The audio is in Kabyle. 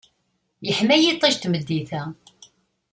Yeḥma yiṭij n tmeddit-a.